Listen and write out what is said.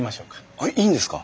えっいいんですか？